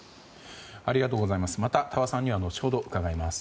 ありがとうございます。